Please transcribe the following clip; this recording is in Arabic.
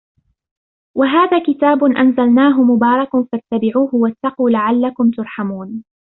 وَهَذَا كِتَابٌ أَنْزَلْنَاهُ مُبَارَكٌ فَاتَّبِعُوهُ وَاتَّقُوا لَعَلَّكُمْ تُرْحَمُونَ